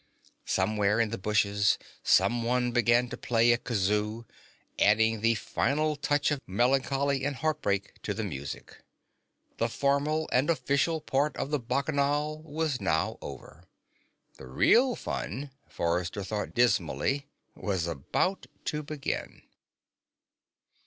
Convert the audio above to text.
Somewhere in the bushes, someone began to play a kazoo, adding the final touch of melancholy and heartbreak to the music. The formal and official part of the Bacchanal was now over. The real fun, Forrester thought dismally, was about to begin.